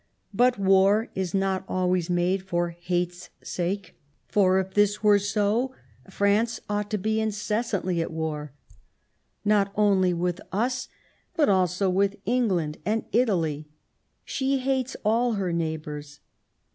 But war is not always made for hate's sake ; for, if this were so, France ought to be incessantly at war, not only with us, but also with England and Italy ; she hates all her neighbours.